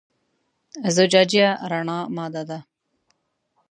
زجاجیه رڼه ماده ده.